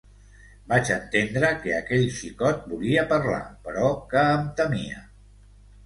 Vaig entendre que aquell xicot volia parlar però que em temia.